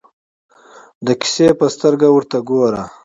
د کیسې په سترګه ورته ګورو.